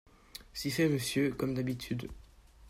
Si fait, monsieur, comme d’habitude.